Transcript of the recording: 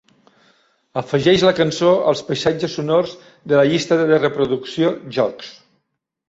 Afegeix la cançó als paisatges sonors de la llista de reproducció "Jocs".